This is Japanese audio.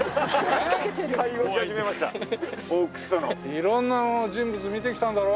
いろんな人物見てきたんだろ？